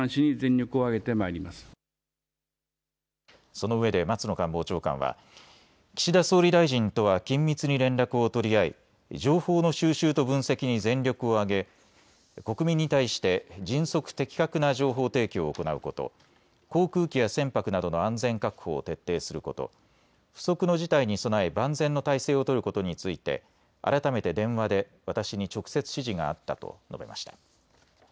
そのうえで松野官房長官は岸田総理大臣とは緊密に連絡を取り合い情報の収集と分析に全力を挙げ国民に対して迅速・的確な情報提供を行うこと、航空機や船舶などの安全確保を徹底すること、不測の事態に備え万全の態勢を取ることについて改めて電話で私に直接指示があったと述べました。